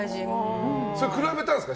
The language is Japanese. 比べたんですか？